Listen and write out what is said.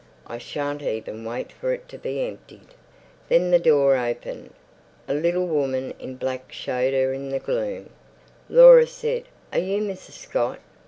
I shan't even wait for it to be emptied. Then the door opened. A little woman in black showed in the gloom. Laura said, "Are you Mrs. Scott?"